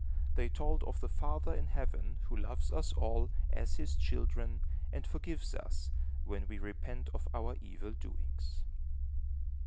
They told of the Father in Heaven, who loves us all, as his children, and forgives us when we repent of our evil doings.